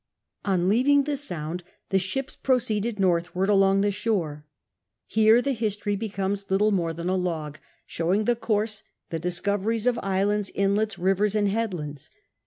On leaving tlie Sound the ships ])roceeded north waid along the shore. Here the history becomes little moie than a log, showing the course, the discoveries of isLinds, inlets, rivers, and headlands.